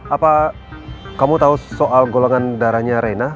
apa kamu tahu soal golongan darahnya reina